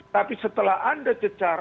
tapi setelah anda cecar